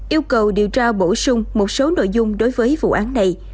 yêu cầu điều tra bổ sung một số nội dung đối với vụ án này